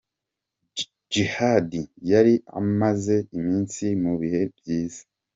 Djihad yari amaze iminsi mu bihe byiza.